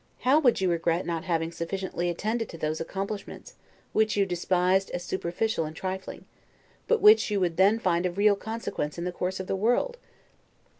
how would you regret not having sufficiently attended to those accomplishments which you despised as superficial and trifling, but which you would then find of real consequence in the course of the world!